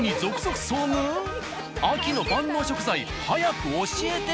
秋の万能食材早く教えて。